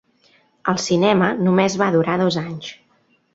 El cinema només va durar dos anys.